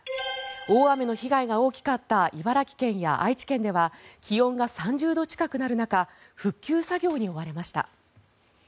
大雨の被害が大きかった茨城県や愛知県では気温が３０度近くなる中復旧作業に追われました。